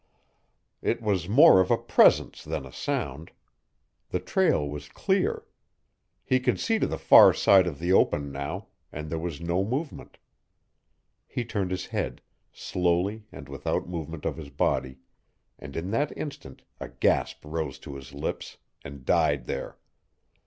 It was more of a PRESENCE than a sound. The trail was clear. He could see to the far side of the open now, and there was no movement. He turned his head slowly and without movement of his body, and in that instant a gasp rose to his lips, and died there.